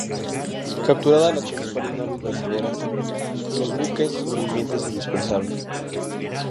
Capturadas las principales naves brasileras, los buques sobrevivientes se dispersaron.